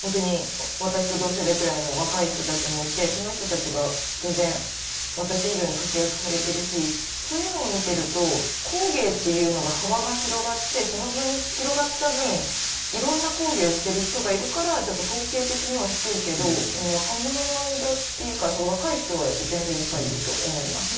ほんとに私と同世代くらいの若い人たちもいてその人たちが全然私以上に活躍されてるしそういうのを見てると工芸っていうのが幅が広がってその分広がった分いろんな工芸をしてる人がいるからちょっと統計的には低いけどうん若者の間っていうか若い人は全然いっぱいいると思います。